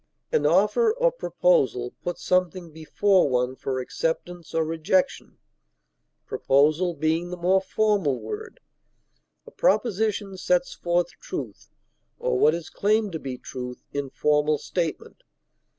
An offer or proposal puts something before one for acceptance or rejection, proposal being the more formal word; a proposition sets forth truth (or what is claimed to be truth) in formal statement.